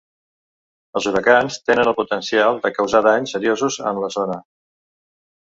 Els huracans tenen el potencial de causar danys seriosos en la zona.